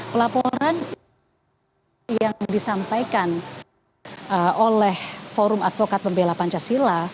pelaporan yang disampaikan oleh forum advokat pembela pancasila